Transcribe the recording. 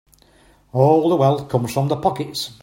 All the wealth comes from the pockets.